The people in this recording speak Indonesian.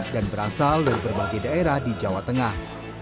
dan berasal dari berbagai daerah di jawa tengah